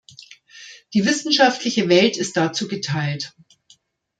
Die wissenschaftliche Welt ist dazu geteilt.